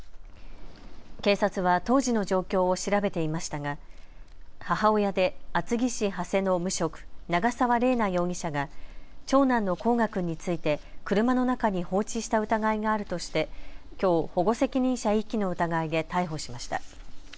警察は当時の状況を調べていましたが母親で厚木市長谷の無職、長澤麗奈容疑者が長男の煌翔君について車の中に放置した疑いがあるとして、きょう保護責任者遺棄の疑いで逮捕しました。